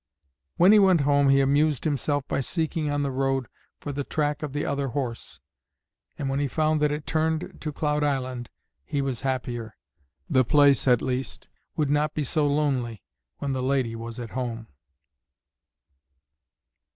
When he went home he amused himself by seeking on the road for the track of the other horse, and when he found that it turned to Cloud Island he was happier. The place, at least, would not be so lonely when the lady was at home.